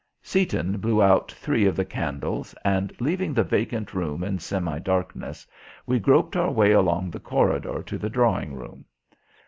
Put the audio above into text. Seaton blew out three of the candles and, leaving the vacant room in semi darkness, we groped our way along the corridor to the drawing room.